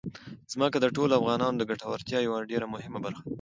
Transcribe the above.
ځمکه د ټولو افغانانو د ګټورتیا یوه ډېره مهمه برخه ده.